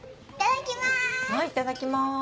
いただきます。